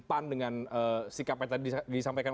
pan dengan sikap yang tadi disampaikan